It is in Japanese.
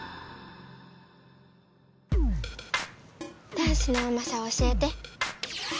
ダンスのうまさを教えて。